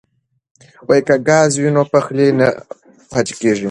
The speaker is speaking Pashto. که ګاز وي نو پخلی نه پاتې کیږي.